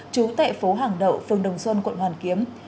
trú tại phố hàng đậu phường đồng xuân quận hoàn kiếm